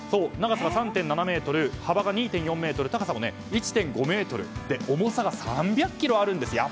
長さが３．７ｍ、幅が２．４ｍ高さも１．５ｍで重さが３００ｋｇあるんです。